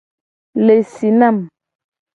Le si nam.